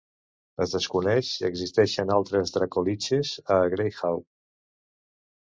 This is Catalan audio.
Es desconeix si existeixen altres "dracoliches" a "Greyhawk".